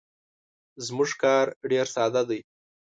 زموږ کار ډیر ساده دی.